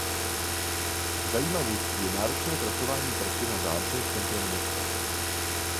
Zajímavostí je náročné trasování tratě na Záhřeb centrem města.